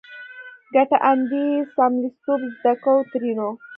کټه اندي څملستوب زده کو؛ ترينو